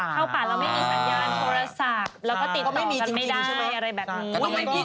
เราไม่มีสัญญาณโทรศักดิ์เราติดต่อกันไม่ได้อะไรแบบนี้